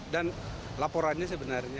dan laporannya sebenarnya